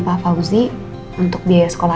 pak fauzi untuk biaya sekolah